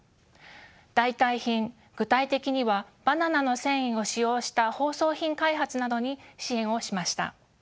代替品具体的にはバナナの繊維を使用した包装品開発などに支援をしました。